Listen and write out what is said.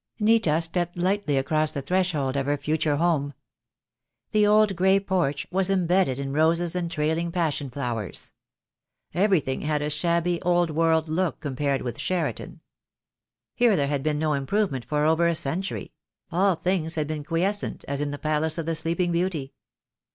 Nita stepped lightly across the threshold of her future home. The old grey porch was embedded in roses and trailing passion flowers. Everything had a shabby, old world look compared with Cheriton. Here there had been no improvement for over a century; all things had been quiescent as in the Palace of the Sleeping Beauty.